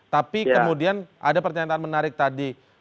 tapi kemudian ada pernyataan menarik tadi